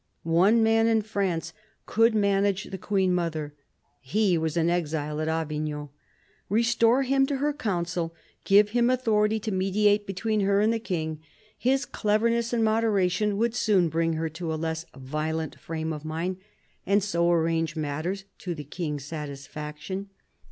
One man in France could manage the Queen mother: he was in exile at Avignon. Restore him to her council ; give him authority to mediate between her and the King; his cleverness and moderation would soon bring her to a less violent frame of mind, and so arrange matters to the King's satisfaction.